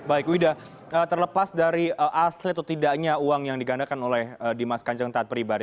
baik wida terlepas dari asli atau tidaknya uang yang digandakan oleh dimas kanjeng taat pribadi